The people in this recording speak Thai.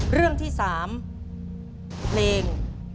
เรื่องที่๓เพลง